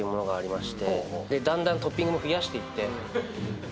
だんだんトッピングも増やしていって。